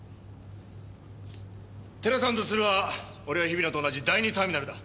寺さんと鶴は俺や日比野と同じ第２ターミナルだ。